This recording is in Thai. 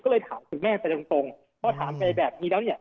ก็เลยถามคุณแม่ไปตรงตรงพอถามไปแบบนี้แล้วเนี่ย